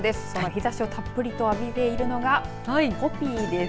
日ざしをたっぷりと浴びているのがポピーです。